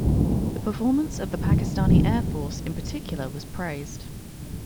The performance of the Pakistani Air Force, in particular, was praised.